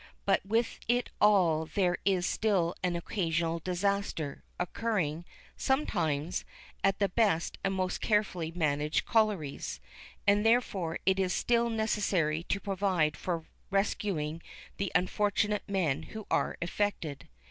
But with it all there is still an occasional disaster, occurring, sometimes, at the best and most carefully managed collieries. And therefore it is still necessary to provide for rescuing the unfortunate men who are affected.